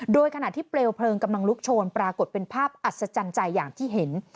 โดยขณะที่เปลวเพลิงกำลังลุกโชนปรากฏเป็นภาพอัศจรรย์ใจอย่างที่เห็น